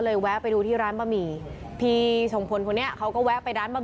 เพราะว่าตอนแรกผมก็ไปถามวันนั้นว่า